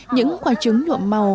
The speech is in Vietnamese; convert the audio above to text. những quả trứng nhuộm màu